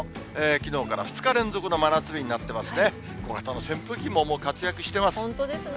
きのうから２日連続の真夏日になってますね。